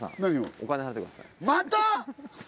お金払ってください。